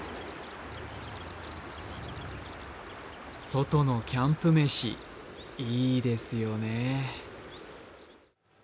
外のキャンプ飯、いいですよね